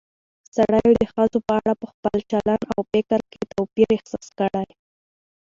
سړيو د ښځو په اړه په خپل چلن او فکر کې توپير احساس کړى